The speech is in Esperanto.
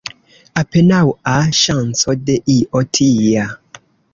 Apenaŭa ŝanco de io tia.